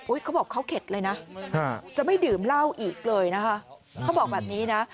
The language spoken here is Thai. เขาบอกเขาเข็ดเลยนะจะไม่ดื่มเหล้าอีกเลยนะคะเขาบอกแบบนี้นะ